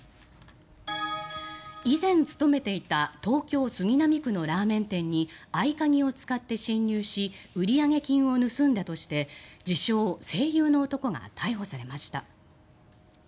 以前勤めていた東京・杉並区のラーメン店に合鍵を使って侵入し売上金を盗んだとして自称・声優の男が逮捕されました。